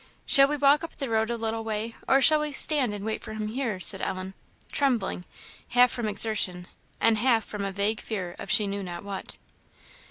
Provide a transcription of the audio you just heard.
"Shall we walk up the road a little way, or shall we stand and wait for him here?" said Ellen, trembling, half from exertion and half from a vague fear of she knew not what.